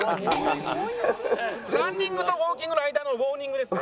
ランニングとウォーキングの間のウォーニングですね。